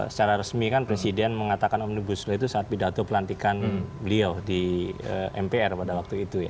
secara resmi kan presiden mengatakan omnibus law itu saat pidato pelantikan beliau di mpr pada waktu itu ya